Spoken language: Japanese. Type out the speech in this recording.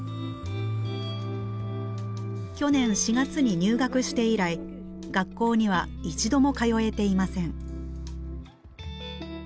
去年４月に入学して以来学校には一度も通えていません。